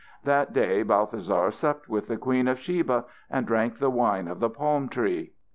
That day Balthasar supped with the Queen of Sheba and drank the wine of the palm tree.